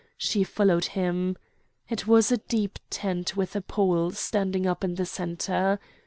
She followed him. It was a deep tent with a pole standing up in the centre.